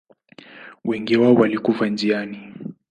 Wengi wao walikufa njiani.